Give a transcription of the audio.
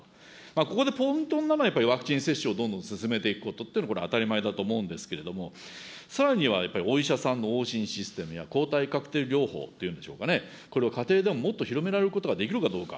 ここでポイントになるのは、やっぱりワクチン接種をどんどん進めていくことっていうのは、これ、当たり前だと思うんですけれども、さらにはやっぱりお医者さんの往診システムや、抗体カクテル療法というんでしょうかね、これを家庭でももっと広められることができるかどうか。